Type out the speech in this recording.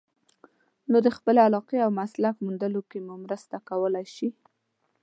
نو د خپلې علاقې او مسلک موندلو کې مو مرسته کولای شي.